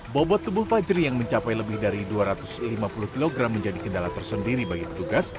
bobot tubuh fajri yang mencapai lebih dari dua ratus lima puluh kg menjadi kendala tersendiri bagi petugas